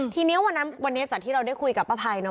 ทีนี้วันนั้นวันนี้จากที่เราได้คุยกับป้าภัย